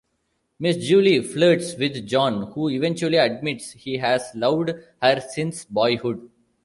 Miss Julie flirts with John, who eventually admits he has loved her since boyhood.